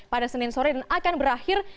pada senin sore dan akan berakhir